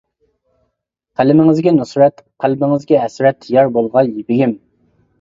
قەلىمىڭىزگە نۇسرەت، قەلبىڭىزگە ھەسرەت يار بولغاي بېگىم!